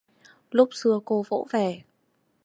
Lúc xưa cô vỗ về...